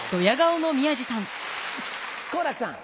好楽さん。